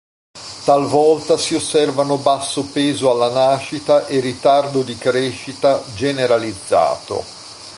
Talvolta si osservano basso peso alla nascita e ritardo di crescita generalizzato.